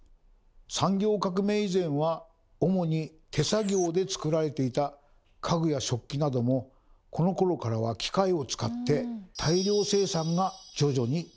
産業革命以前は主に手作業で作られていた家具や食器などもこのころからは機械を使って大量生産が徐々にできるようになりました。